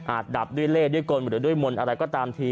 ดับด้วยเล่ด้วยกลหรือด้วยมนต์อะไรก็ตามที